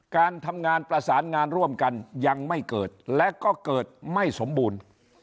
การทำงานประสานงานร่วมกันยังไม่เกิดและก็เกิดไม่สมบูรณ์